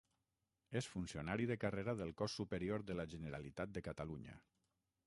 És funcionari de carrera del cos superior de la Generalitat de Catalunya.